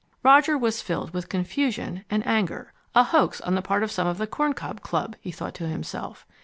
Roger was filled with confusion and anger. A hoax on the part of some of the Corn Cob Club, he thought to himself.